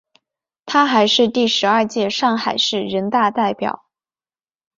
她还是第十二届上海市人大代表。